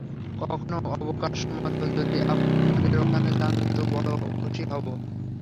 কখনো অবকাশমত যদি আমাদের ওখানে যান তো বড়ো খুশি হব।